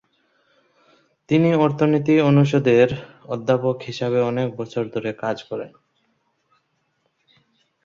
তিনি অর্থনীতি অনুষদের অধ্যাপক হিসাবে অনেক বছর ধরে কাজ করেন।